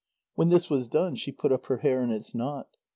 When this was done, she put up her hair in its knot.